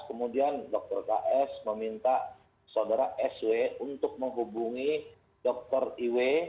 kemudian dr ks meminta saudara sw untuk menghubungi dokter iw